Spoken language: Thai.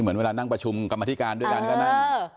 เหมือนเวลานั่งประชุมกรรมธิการด้วยกันก็นั่ง